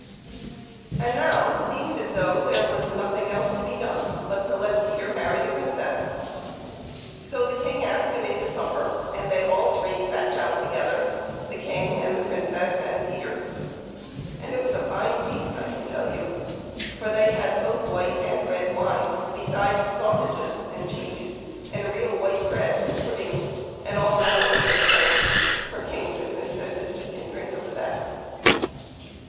And now it seemed as though there was nothing else to be done but to let Peter marry the Princess. So the King asked him in to supper, and they all three sat down together, the King and the Princess and Peter. And it was a fine feast, I can tell you, for they had both white and red wine, besides sausages and cheese, and real white bread and puddings, and all manner of good things ; for kings and princesses eat and drink of the best. 5 52 PEPPER AND SALT.